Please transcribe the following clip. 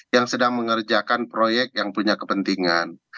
yang sedang mengerjakan proyek yang punya kepentingan